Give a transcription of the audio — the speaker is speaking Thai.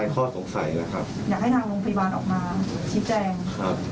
ข้อสงสัยนะครับ